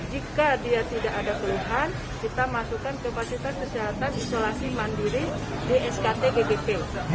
jika dia tidak ada keluhan kita masukkan ke fasilitas kesehatan isolasi mandiri di skt gdp